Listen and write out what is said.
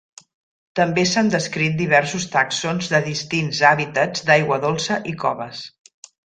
També s'han descrit diversos tàxons de distints hàbitats d'aigua dolça i coves.